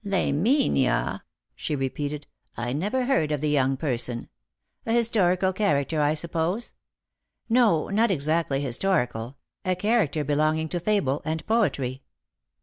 "Laminia!" she repeated; "I never heard of the young person. A historical character, I suppose ?"" No, not exactly historical ; a character belonging to fable and poetry."